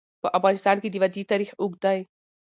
په افغانستان کې د وادي تاریخ اوږد دی.